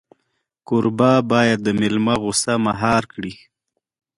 کوربه باید د مېلمه غوسه مهار کړي.